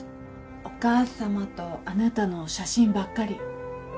お母様とあなたの写真ばっかり。